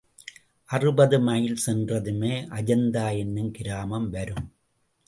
அறுபது மைல் சென்றதுமே அஜந்தா என்னும் கிராமம் வரும்.